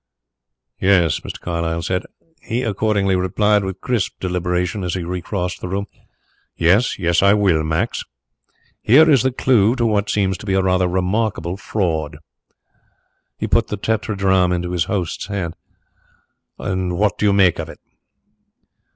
"Yes," he accordingly replied, with crisp deliberation, as he re crossed the room; "yes, I will, Max. Here is the clue to what seems to be a rather remarkable fraud." He put the tetradrachm into his host's hand. "What do you make of it?"